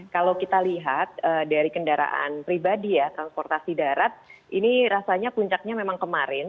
kalau kita lihat dari kendaraan pribadi ya transportasi darat ini rasanya puncaknya memang kemarin